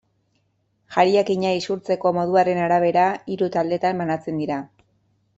Jariakina isurtzeko moduaren arabera, hiru taldetan banatzen dira.